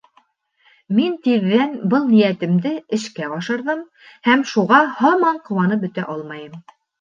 Мин тиҙҙән был ниәтемде эшкә ашырҙым һәм шуға һаман ҡыуанып бөтә алмайым.